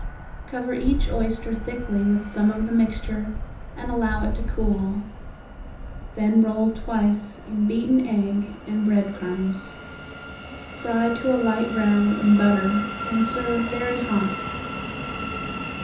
Cover each oyster thickly with some of the mixture and allow it to cool. Then roll twice in beaten egg and bread crumbs. Fry to a light brown in butter and serve very hot.